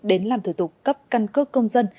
đến làm thử tục cấp căn cước công dân